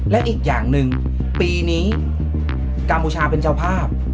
และอีกอย่างหนึ่งปีนี้กัมพูชาเป็นเจ้าภาพ